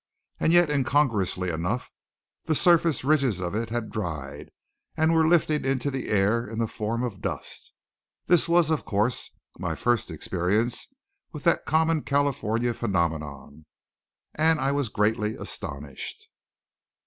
And yet, incongruously enough, the surface ridges of it had dried, and were lifting into the air in the form of dust! This was of course my first experience with that common California phenomenon, and I was greatly astonished.